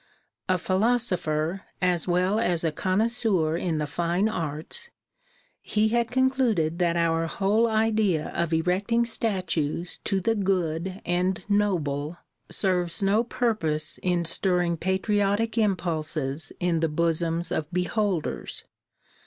A philosopher, as well as a connoisseur in the fine arts, he had concluded that our whole idea of erecting statues to the good and noble serves no purpose in stirring patriotic impulses in the bosoms of beholders.